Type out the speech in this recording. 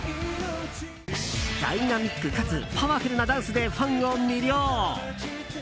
ダイナミックかつパワフルなダンスでファンを魅了。